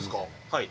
はい。